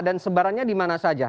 dan sebarannya di mana saja